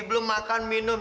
belum makan minum